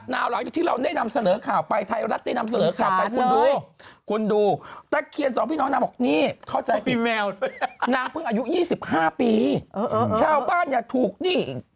นี่ไงไม่เกียร์ออกมาให้แมวแมวมายังไง